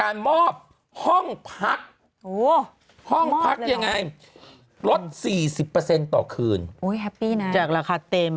ลด๔๐เปอร์เซ็นต์ต่อคืนจากราคาเต็ม